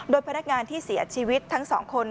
โดยพนักงานที่เสียชีวิตทั้งสองคน